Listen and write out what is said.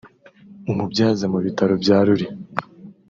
umubyaza mu bitaro bya Ruli